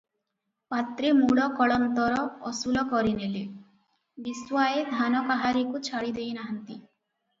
ପାତ୍ରେ ମୂଳ କଳନ୍ତର ଅସୁଲ କରିନେଲେ, ବିଶ୍ୱାଏ ଧାନ କାହାରିକୁ ଛାଡ଼ି ଦେଇନାହାନ୍ତି ।